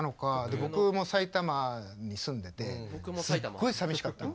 僕も埼玉に住んでてすっごいさみしかったの。